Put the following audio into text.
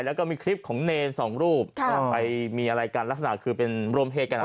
แล้วก็มีคลิปของเนรสองรูปไปมีอะไรกันลักษณะคือเป็นร่วมเพศกัน